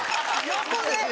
横で！